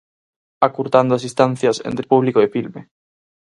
Acurtando as distancias entre público e filme.